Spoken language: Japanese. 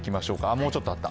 もうちょっとあった。